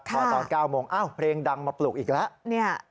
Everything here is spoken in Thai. พอตอน๙โมงอ้าวเพลงดังมาปลุกอีกแล้ว